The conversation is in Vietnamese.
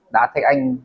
đá thách anh